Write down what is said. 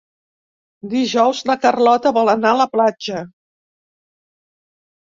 Dijous na Carlota vol anar a la platja.